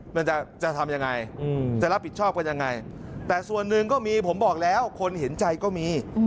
มันจะทำยังไงจะรับผิดชอบกันยังไงแต่ส่วนหนึ่งก็มีผมบอกแล้วคนเห็นใจก็มี